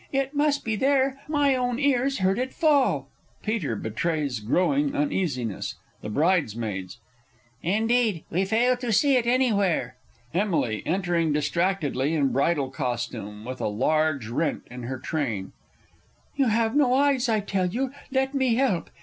It must be there my own ears heard it fall! [PETER betrays growing uneasiness. The Bridesmaids. Indeed, we fail to see it anywhere! Emily (entering distractedly in bridal costume, with a large rent in her train). You have no eyes, I tell you, let me help.